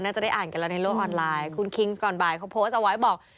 น่าจะได้อ่านกันแล้วในโลกออนไลน์คุณคิงก่อนบ่ายเขาโพสต์เอาไว้บอก